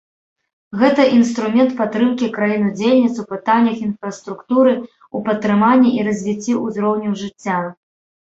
Гэта інструмент падтрымкі краін-удзельніц у пытаннях інфраструктуры, у падтрыманні і развіцці ўзроўню жыцця.